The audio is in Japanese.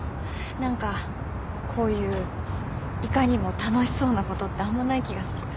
何かこういういかにも楽しそうなことってあんまない気がする。